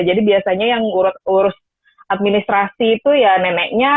jadi biasanya yang urus urus administrasi itu ya neneknya